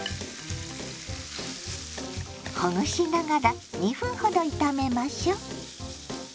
ほぐしながら２分ほど炒めましょう。